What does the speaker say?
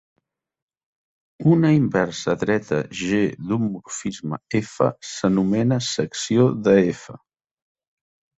Una inversa dreta "g" d'un morfisme "f" s'anomena secció de "f".